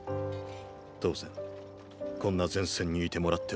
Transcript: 当然こんな前線にいてもらっては困る。